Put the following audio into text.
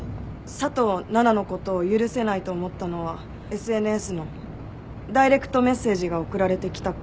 佐藤奈々のことを許せないと思ったのはＳＮＳのダイレクトメッセージが送られてきたからじゃないかって。